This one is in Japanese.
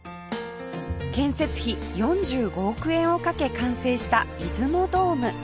建設費４５億円をかけ完成した出雲ドーム